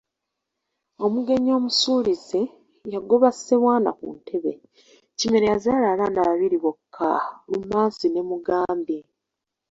Omugenyi omusulize, yagoba Ssebwana ku ntebe. Kimera yazaala abaana babiri bokka Lumansi ne Mugambe.